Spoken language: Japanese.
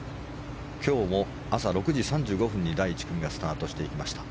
今日も朝６時２５分に第１組がスタートしていきました。